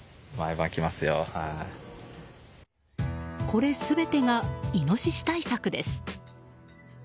これ全てがイノシシ対策です。